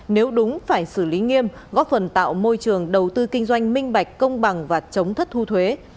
nếu đúng phải xử lý nghiêm góp phần tạo môi trường đầu tư kinh doanh minh bạch công bằng và chống thất thu thuế